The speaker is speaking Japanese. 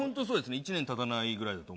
１年たたないぐらいで。